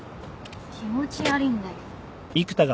気持ち悪いんだけど。